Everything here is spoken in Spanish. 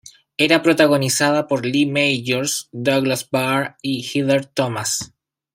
Era protagonizada por Lee Majors, Douglas Barr y Heather Thomas.